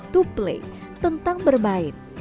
to play tentang berbaik